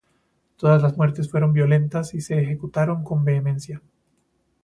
Todas las muertes fueron violentas y se ejecutaron con vehemencia.